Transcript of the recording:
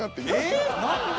ええっ何で？